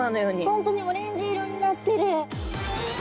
本当にオレンジ色になってる。